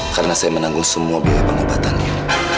karena saya menanggung semua biaya pengobatannya